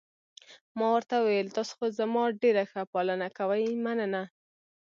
ما ورته وویل: تاسي خو زما ډېره ښه پالنه کوئ، مننه.